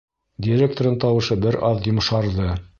Директорҙың тауышы бер аҙ йомшарҙы: